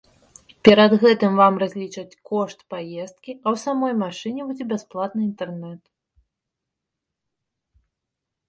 Перад гэтым вам разлічаць кошт паездкі, а ў самой машыне будзе бясплатны інтэрнэт.